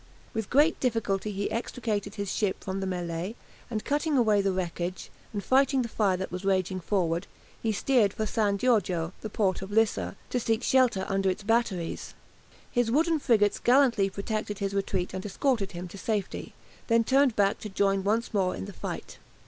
With great difficulty he extricated his ship from the mêlée, and cutting away the wreckage, and fighting the fire that was raging forward, he steered for San Giorgio, the port of Lissa, to seek shelter under its batteries. His wooden frigates gallantly protected his retreat and escorted him to safety, then turned back to join once more in the fight.